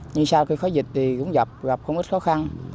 nhưng sau khi khói dịch thì cũng gặp không ít khó khăn